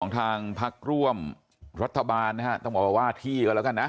ทางพักร่วมรัฐบาลนะฮะต้องบอกว่าที่ก็แล้วกันนะ